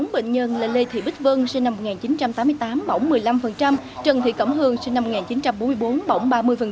bốn bệnh nhân là lê thị bích vân sinh năm một nghìn chín trăm tám mươi tám bỏng một mươi năm trần thị cẩm hương sinh năm một nghìn chín trăm bốn mươi bốn bỏng ba mươi